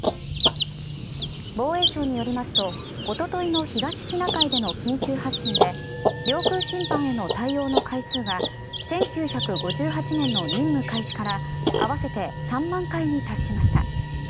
防衛省によりますとおとといの東シナ海での緊急発進で領空侵犯への対応の回数が１９５８年の任務開始から合わせて３万回に達しました。